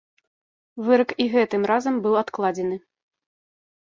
Вырак і гэтым разам быў адкладзены.